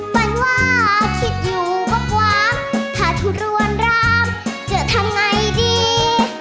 ฝั่นว่าคิดอยู่หวังถ้าทุรวณรักจะทำไงดี